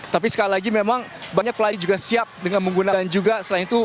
tapi sekali lagi memang banyak pelari juga siap dengan menggunakan juga selain itu